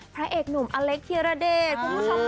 พระเอกหนุ่มอเล็กเทียระเดช